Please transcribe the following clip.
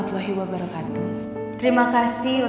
terima kasih untuk para penontonnya